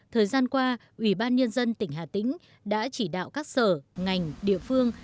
thời gian qua ủy ban nhân dân tỉnh hà tĩnh đã chỉ đạo các sở ngành địa phương